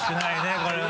これはね。